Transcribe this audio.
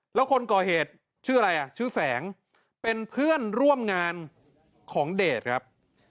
แล้วคนก่อเหตุชื่ออะไรอ่ะชื่อแสงเป็นเพื่อนร่วมงานของเดชครับ